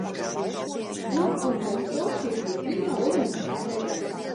Gu un Leso šī bija pirmā olimpiskā medaļa.